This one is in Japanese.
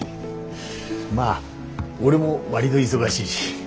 まあ俺も割ど忙しいし。